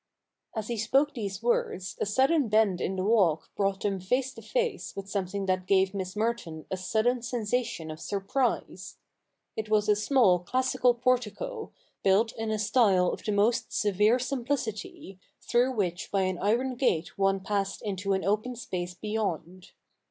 As he spoke these words, a sudden bend in the walk brought them face to face with something that gave Miss Merton a sudden sensation of surprise. It was a small classical portico built in a style of the most severe simplicity, through which by an iron gate one passed into an open space beyond.